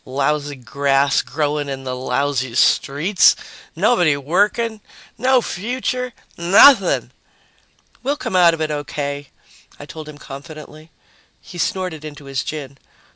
"Lousy grass growing in the lousy streets, nobody working, no future, nothing!" "We'll come out of it okay," I told him confidently. He snorted into his gin.